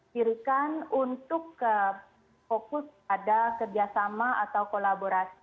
dirikan untuk fokus pada kerjasama atau kolaborasi